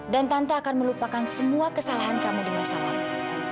dan tante akan melupakan semua kesalahan kamu di masa lalu